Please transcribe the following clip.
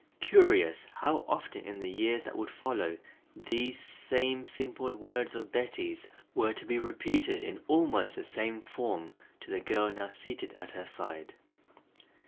Curious how often in the years that would follow, these same simple words of Betty's were to be repeated in almost the same form to the girl now seated at her side!